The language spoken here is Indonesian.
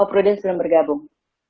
oh prudence belum bergabung